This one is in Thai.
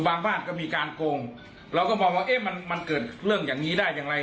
บ้านก็มีการโกงเราก็มองว่าเอ๊ะมันมันเกิดเรื่องอย่างนี้ได้อย่างไร